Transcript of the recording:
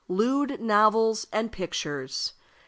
Lewd Novels and Pictures.